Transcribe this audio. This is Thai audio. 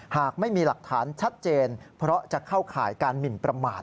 หากไม่มีหลักฐานชัดเจนเพราะจะเข้าข่ายการหมินประมาท